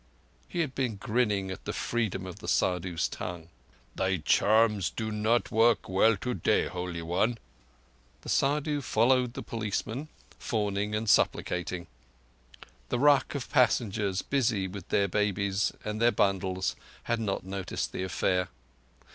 He had been grinning at the freedom of the Saddhu's tongue. "Thy charms do not work well today, Holy One!" The Saddhu followed the policeman, fawning and supplicating. The ruck of passengers, busy, with their babies and their bundles, had not noticed the affair.